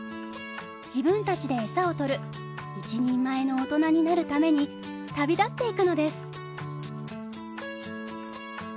自分たちで餌をとる一人前の大人になるために旅立っていくのです。